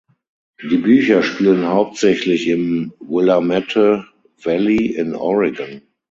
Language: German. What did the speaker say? Die Bücher spielen hauptsächlich im Willamette Valley in Oregon.